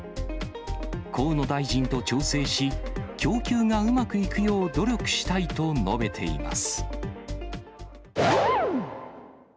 河野大臣と調整し、供給がうまくいくよう努力したいと述べています。